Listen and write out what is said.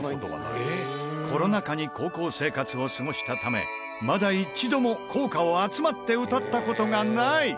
コロナ禍に高校生活を過ごしたためまだ一度も校歌を集まって歌った事がない。